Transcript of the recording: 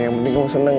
yang penting kamu seneng